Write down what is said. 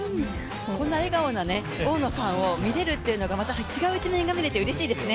こんな笑顔な大野さんを見れるのがまた違う一面が見れてうれしいですね。